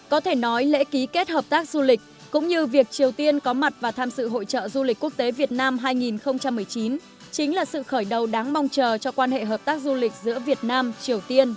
có thể nói lễ ký kết hợp tác du lịch cũng như việc triều tiên có mặt và tham sự hội trợ du lịch quốc tế việt nam hai nghìn một mươi chín chính là sự khởi đầu đáng mong chờ cho quan hệ hợp tác du lịch giữa việt nam triều tiên